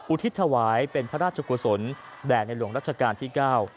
ทิศถวายเป็นพระราชกุศลแด่ในหลวงรัชกาลที่เก้า